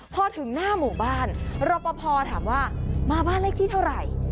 พอถึงหน้าหมู่บ้านรอปภถามว่ามาบ้านเลขที่เท่าไหร่